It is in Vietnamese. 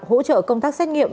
hỗ trợ công tác xét nghiệm